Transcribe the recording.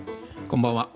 こんばんは。